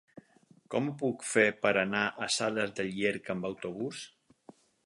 Com ho puc fer per anar a Sales de Llierca amb autobús?